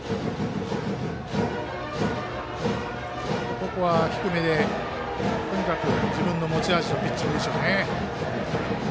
ここは低めでとにかく自分の持ち味のピッチングでしょうね。